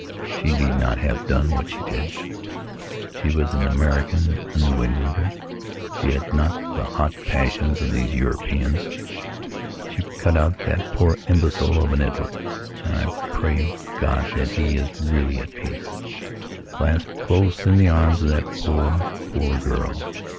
She need not have done what she did. She was an American, a New Englander. She had not the hot passions of these Europeans. She cut out that poor imbecile of an Edwardand I pray God that he is really at peace, clasped close in the arms of that poor, poor girl!